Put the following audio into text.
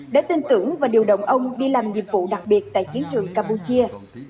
đã tin tưởng và điều động ông đi làm nhiệm vụ đặc biệt tại chiến trường campuchia